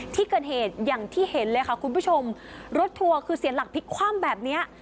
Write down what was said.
ที่เกิดเหตุอย่างที่เห็นเลยค่ะคุณผู้ชมรถทัวร์คือเสียหลักพลิกคว่ำแบบเนี้ย